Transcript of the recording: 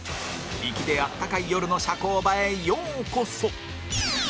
粋であったかい夜の社交場へようこそ